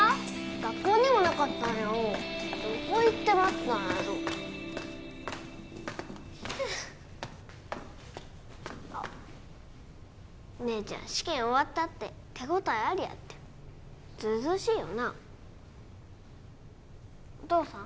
学校にもなかったんやおどこ行ってまったんやろうふうあっ姉ちゃん試験終わったって手応えありやってずうずうしいよなお父さん？